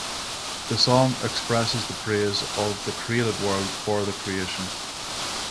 The song expresses the praise of the created world for the Creation.